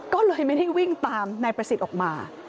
ก็เลยไม่ได้วิ่งตามนายประสิทธิ์ออกมา